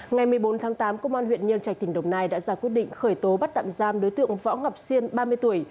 ngày một mươi bốn tháng tám công an huyện nhân trạch tỉnh đồng nai đã ra quyết định khởi tố bắt tạm giam đối tượng võ ngọc siên ba mươi tuổi